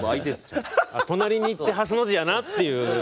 隣に行ってハスの字やなっていう。